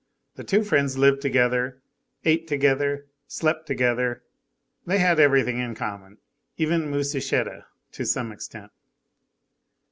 The two friends lived together, ate together, slept together. They had everything in common, even Musichetta, to some extent.